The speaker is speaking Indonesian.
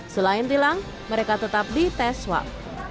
selain tilang mereka tetap di tes swap